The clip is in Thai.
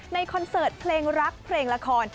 คอนเสิร์ตเพลงรักเพลงละคร